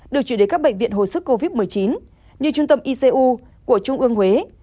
được chuyển đến các bệnh viện hồi sức covid một mươi chín như trung tâm icu của trung ương huế